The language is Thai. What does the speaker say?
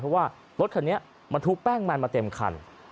เพราะว่ารถคันนี้บรรทุกแป้งมันมาเต็มคัน